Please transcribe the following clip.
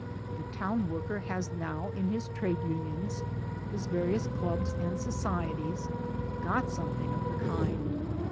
The town worker has now, in his trade unions, his various clubs and societies, got something of the kind.